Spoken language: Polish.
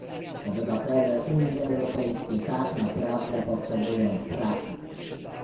Obywatele Unii Europejskiej tak naprawdę potrzebują pracy